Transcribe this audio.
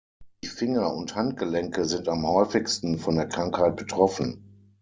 Die Finger- und Handgelenke sind am häufigsten von der Krankheit betroffen.